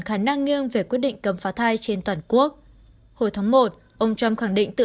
khả năng nghiêng về quyết định cấm phá thai trên toàn quốc hồi tháng một ông trump khẳng định tự